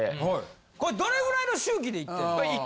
これどれぐらいの周期で行ってんの？